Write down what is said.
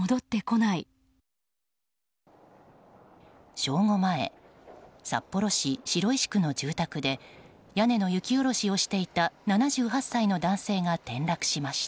正午前、札幌市白石区の住宅で屋根の雪下ろしをしていた７８歳の男性が転落しました。